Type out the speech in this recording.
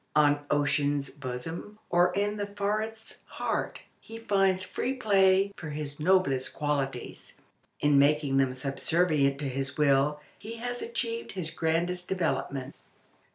On ocean's bosom or in the forest's heart he finds free play for his noblest qualities. In making them subservient to his will he has achieved his grandest development.